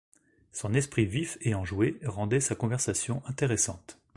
Son esprit vif et enjoué rendait sa conversation intéressante.